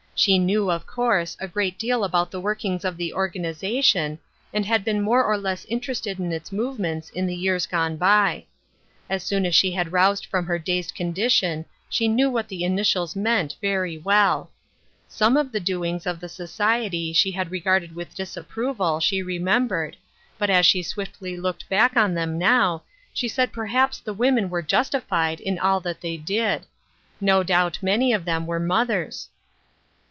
She knew, of course, a great deal about the workings of the organization, and had been more or less interested in its movements in the years gone by. As soon as she had roused from her dazed condition she knew what the ini tials meant, very well. Some of the doings of the society she had regarded with disapproval, she re membered, but as she swiftly looked back on them now, she said perhaps the women were justi fied in all that they did. No doubt many of them were mothers.